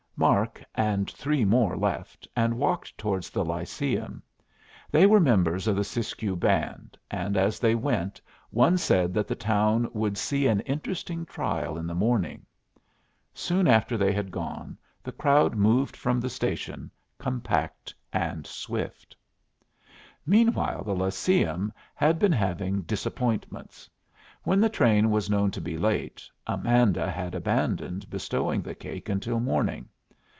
Mark and three more left, and walked towards the Lyceum. They were members of the Siskiyou band, and as they went one said that the town would see an interesting trial in the morning. Soon after they had gone the crowd moved from the station, compact and swift. Meanwhile the Lyceum had been having disappointments. When the train was known to be late, Amanda had abandoned bestowing the cake until morning.